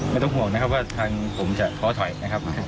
ไม่ต้องห่วงนะครับว่าทางผมจะท้อถอยนะครับ